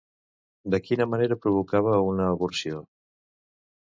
De quina manera provocava una aborció?